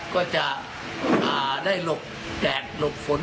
ก็จะได้หลบแดดหลบฝน